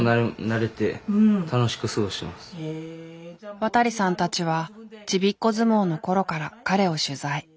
渡さんたちはちびっこ相撲の頃から彼を取材。